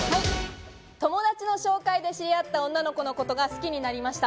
友達の紹介で知り合った女の子のことが好きになりました。